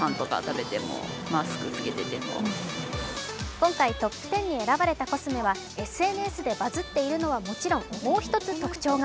今回トップ１０に選ばれたコスメはＳＮＳでバズっているのはもちろん、もう一つ特徴が。